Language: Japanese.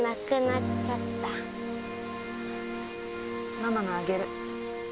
ママのあげる。